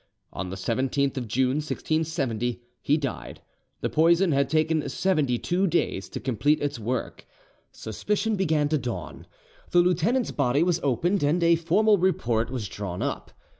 On the 17th of June 1670 he died: the poison had taken seventy two days to complete its work. Suspicion began to dawn: the lieutenant's body was opened, and a formal report was drawn up.